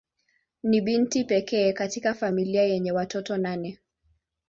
Ni binti pekee katika familia yenye watoto nane.